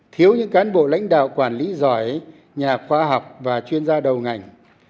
thiếu những cán bộ lãnh đạo quản lý giỏi nhà khoa học và chuyên gia đầu ngành